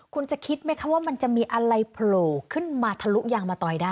คุณจะคิดไหมคะว่ามันจะมีอะไรโผล่ขึ้นมาทะลุยางมะตอยได้